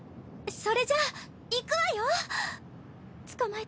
それじゃあいくわよ！